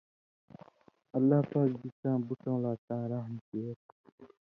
اللہ پاک بِڅاں بُٹؤں لا تاں رحم کیر